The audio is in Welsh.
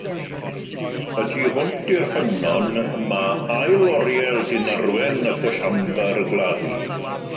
Y tu hwnt i'r ffynnon mae ail oriel sy'n arwain at y siambr gladdu.